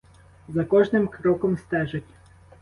За кожним кроком стежать.